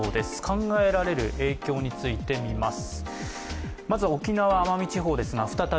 考えられる影響について見ます。